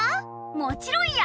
もちろんや！